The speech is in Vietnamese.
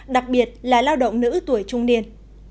đặc biệt là lao động nữ tuổi trung niên